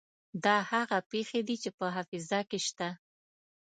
دا هغه پېښې دي چې په حافظه کې شته.